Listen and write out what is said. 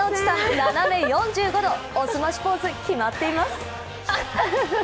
斜め４５度、おすましポーズ決まっています。